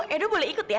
edo boleh ikut ya